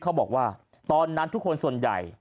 เขาบอกว่าตอนนั้นทุกคนส่วนใหญ่